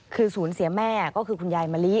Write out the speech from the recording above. คือศูนย์เสียแม่ก็คือคุณยายมะลิ